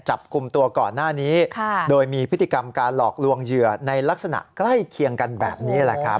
จับกลุ่มตัวก่อนหน้านี้โดยมีพฤติกรรมการหลอกลวงเหยื่อในลักษณะใกล้เคียงกันแบบนี้แหละครับ